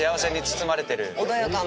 穏やかな。